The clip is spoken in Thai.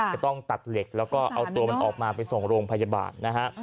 จะต้องตัดเหล็กแล้วก็เอาตัวมันออกมาไปส่งโรงพยาบาลนะฮะ